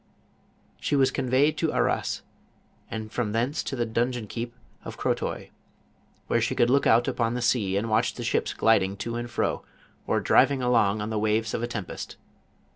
'She was conveyed to Arras, and from thence to the donjon keep of Crotoy, where she could look out upon the sea and watch the ships gliding to and fro, or driv ing along on the waves of a tempest.